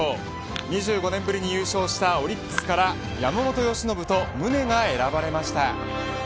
２５年ぶりに優勝したオリックスから山本由伸と宗が選ばれました。